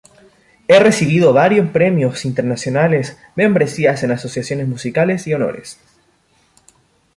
Ha recibido varios premios internacionales, membresías en asociaciones musicales y honores.